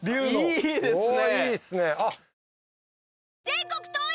いいですね。